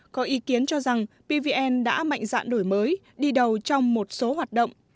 có ý kiến cho rằng pvn đã mạnh dạn đổi mới đi đầu trong một số hoạt động